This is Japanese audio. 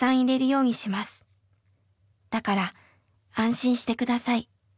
だから安心して下さい。